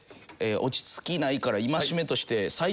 落ち着きないから戒めとして。